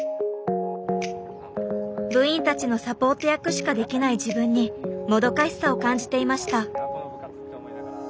部員たちのサポート役しかできない自分にもどかしさを感じていました。